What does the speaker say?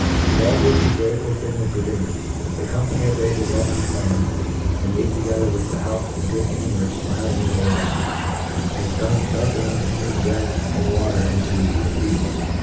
The bell gives the joy ful fignal for dinner ^— ^Thc company obey the welcome fummons, and meet together with health and good humour fmiling in their looks, and ftor machs fharp enough to turn bread and water into a feaft.